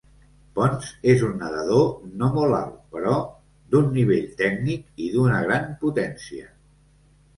Pons és un nedador no molt alt però d'un nivell tècnic i d'una gran potència.